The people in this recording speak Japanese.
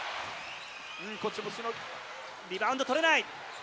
リバウンド、取れない。